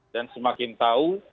dan semakin tahu